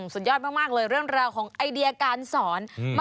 สุดยอดมากเลยเรื่องราวของไอเดียการสอน